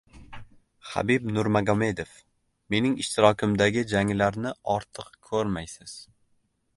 Xabib Nurmagomedov: "Mening ishtirokimdagi janglarni ortiq ko‘rmaysiz"